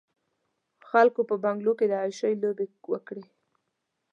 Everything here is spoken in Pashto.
خلکو په بنګلو کې د عياشۍ لوبې وکړې.